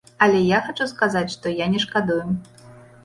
Але я хачу сказаць, што я не шкадую.